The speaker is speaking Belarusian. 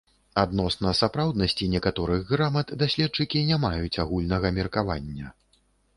Адносна сапраўднасці некаторых грамат даследчыкі не маюць агульнага меркавання.